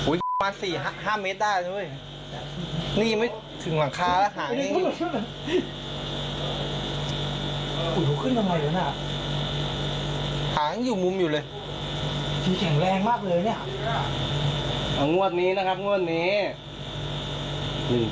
วระเตียงคอตตรงฟัทรเลยนะอืมเสียงแรง